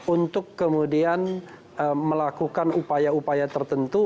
untuk kemudian melakukan upaya upaya tertentu